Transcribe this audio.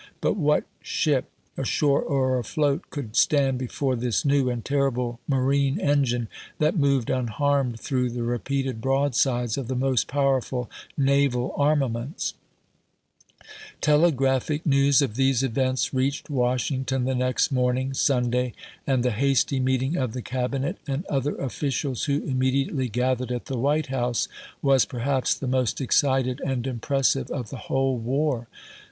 But what ship, ashore or afloat, could stand before this new and terrible marine engine, that moved unharmed through the repeated broadsides of the most powerful naval armaments ? Telegraphic news of these events reached Wash 1862. ' ington the next morning, Sunday, and the hasty meeting of the Cabinet and other officials who immediately gathered at the White House was per "Ann*^8 of haps the most excited and impressive of the whole pp. 24, 25. war.